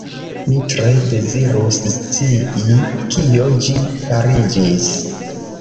Mi tre dezirus scii, kio ĝi fariĝis.